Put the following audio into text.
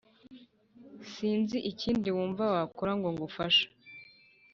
sinzi ikindi wumva nakora ngo nkufashe